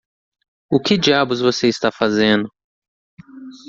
O que diabos você está fazendo?